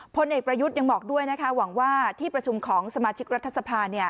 พลเอกประยุทธ์ยังบอกด้วยนะคะหวังว่าที่ประชุมของสมาชิกรัฐสภา